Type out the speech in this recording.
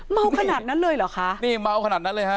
ขนาดนั้นเลยเหรอคะนี่เมาขนาดนั้นเลยฮะ